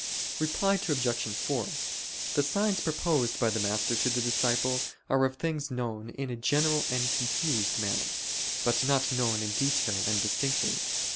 Reply Obj. 4: The signs proposed by the master to the disciple are of things known in a general and confused manner; but not known in detail and distinctly.